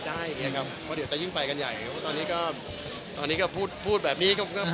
และตอนนี้จะพูดแบบนี้อีก